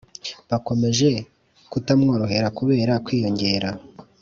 bakomeje kutamworohera kubera kwiyongera